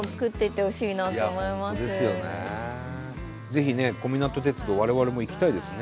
ぜひね小湊鉄道我々も行きたいですね。